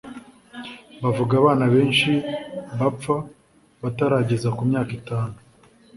bavuga abana benshi bapfa batarageza ku myaka itanu